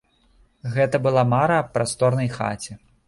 Гэта была мара аб прасторнай хаце.